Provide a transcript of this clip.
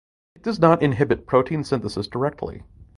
It does not inhibit protein synthesis directly.